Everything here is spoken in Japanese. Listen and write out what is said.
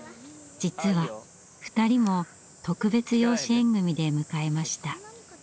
実は２人も特別養子縁組で迎えました。